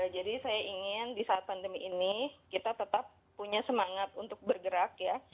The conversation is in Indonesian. jadi saya ingin di saat pandemi ini kita tetap punya semangat untuk bergerak ya